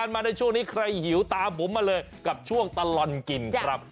มาในช่วงนี้ใครหิวตามผมมาเลยกับช่วงตลอดกินครับ